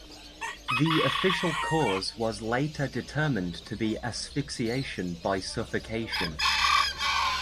The official cause was later determined to be asphyxiation by suffocation.